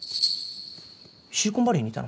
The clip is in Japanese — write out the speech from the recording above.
シリコンバレーにいたの？